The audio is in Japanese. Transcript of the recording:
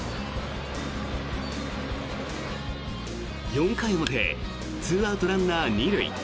４回表２アウト、ランナー２塁。